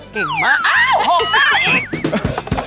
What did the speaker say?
เก่งมากอ้าวหกหน้าอีก